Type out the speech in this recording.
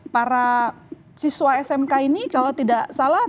para siswa smk ini kalau tidak salah